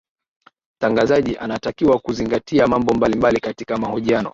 mtangazaji anatakiwa kuzingatia mambo mbalimbali kaatika mahojiano